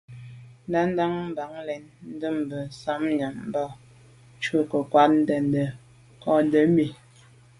Ndǎ’ndʉ̂ a bαg len, ndɛ̂nmbə̀ sα̌m nyὰm mbὰ ncʉ̌’ kə cwɛ̌d nkondɛ̀n mi.